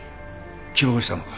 希望したのか？